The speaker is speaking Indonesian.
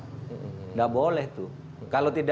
tidak boleh tuh